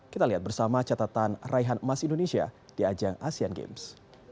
kita lihat bersama catatan raihan emas indonesia di ajang asean games